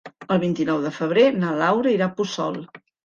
El vint-i-nou de febrer na Laura irà a Puçol.